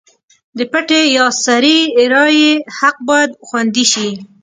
د پټې یا سري رایې حق باید خوندي شي.